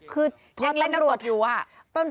คือพอตำรวจยังเล่นรถอยู่